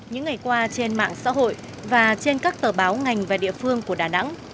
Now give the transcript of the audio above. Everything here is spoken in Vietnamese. những ngày qua trên mạng xã hội và trên các tờ báo ngành và địa phương của đà nẵng